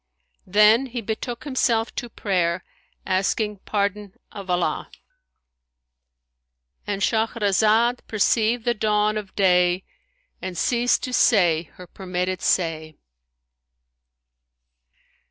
Then he betook himself to prayer, asking pardon of Allah'—And Shahrazad perceived the dawn of day and ceased to say her permitted say.